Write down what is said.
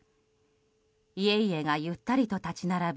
家々がゆったりと立ち並ぶ